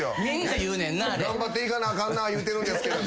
「頑張っていかなあかんな言うてるんですけど」